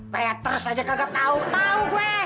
waitress aja kagak tau tau gue